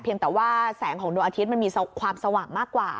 แต่ว่าแสงของดวงอาทิตย์มันมีความสว่างมากกว่า